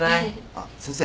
あっ先生